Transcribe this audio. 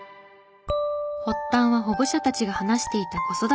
発端は保護者たちが話していた子育ての悩み。